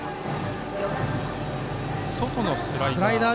外のスライダー。